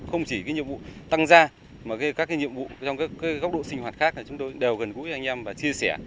không chỉ cái nhiệm vụ tăng ra mà các cái nhiệm vụ trong cái góc độ sinh hoạt khác này chúng tôi đều gần gũi với anh em và chia sẻ